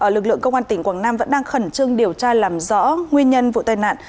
lực lượng công an tỉnh quảng nam vẫn đang khẩn trương điều tra làm rõ nguyên nhân vụ tai nạn